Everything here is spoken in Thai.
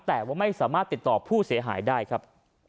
แต่ว่าไม่สามารถติดต่อผู้เสียหายได้ครับ